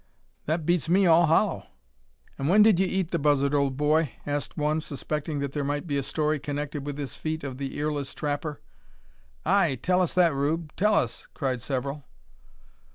"That beats me all hollow." "And when did ye eat the buzzard, old boy?" asked one, suspecting that there might be a story connected with this feat of the earless trapper. "Ay! tell us that, Rube; tell us!" cried several.